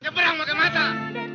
lo harus ngasih bantuan